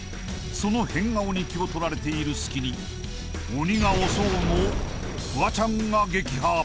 その変顔に気を取られている隙に鬼が襲うもフワちゃんが撃破